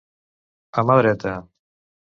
A mà dreta.